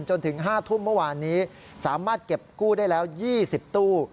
จนถึง๕ทุ่มเมื่อวานนี้สามารถเก็บกู้ได้แล้ว๒๐ตู้